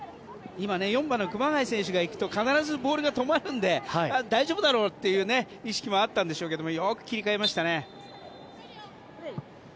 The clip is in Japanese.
今、４番の熊谷選手が行くと必ずボールが止まるので大丈夫だろうという意識もあったんでしょうけどよく切り替えましたね。